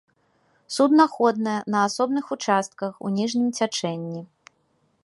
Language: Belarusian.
Суднаходная на асобных участках у ніжнім цячэнні.